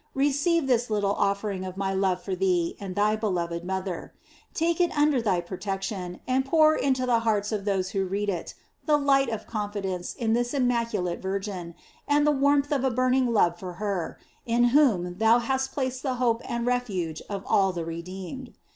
Receive this little offering of my love for thee and thy beloved mother. Take it under thy protection, and pour into the hearts of those who read it the light of confidence in this immaculate Vir gin, and the warmth of a burning love for her, in whom thou hast placed the hope and refuge of all the redeemed.